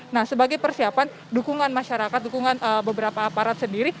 nah sebagai persiapan dukungan masyarakat dukungan beberapa aparat sendiri